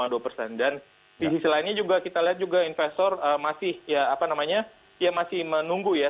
dan di sisi lainnya kita lihat juga investor masih menunggu ya